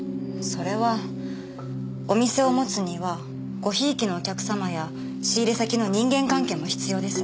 それはお店を持つにはごひいきのお客様や仕入先の人間関係も必要です。